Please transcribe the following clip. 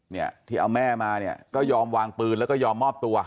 เนี่ยที่เอาแม่มาเนี่ยก็ยอมวางปืนแล้วก็ยอมมอบตัว